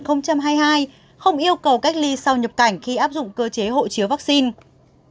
không yêu cầu cách ly sau nhập cảnh khi áp dụng cơ chế hộ chiếu vaccine